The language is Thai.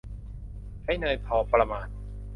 ใช้เนยพอประมาณ